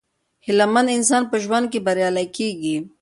هیله مند انسان په ژوند کې بریالی کیږي.